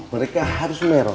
mereka harus merot